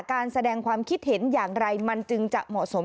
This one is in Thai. การแสดงความคิดเห็นอย่างไรมันจึงจะเหมาะสม